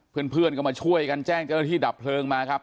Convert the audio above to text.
เพื่อนก็มาช่วยกันแจ้งเจ้าหน้าที่ดับเพลิงมาครับ